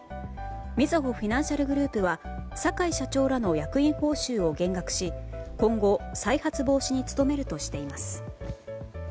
みずほフィナンシャルグループは坂井社長らの役員報酬を減額し今後、再発防止に努めるとしています。